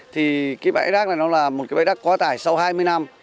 thì cái bãi rác này nó là một cái bãi rác quá tải sau hai mươi năm